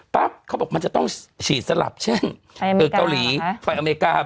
เขาบอกมันจะต้องฉีดสลับเช่นเกาหลีไฟอเมริกา